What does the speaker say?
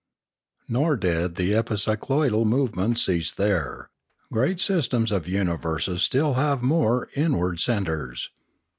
Nor did the epicycloidal movement cease there; great systems of universes have still more inward centres.